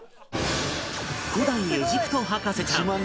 古代エジプト博士ちゃん